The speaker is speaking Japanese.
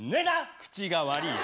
口が悪いよ。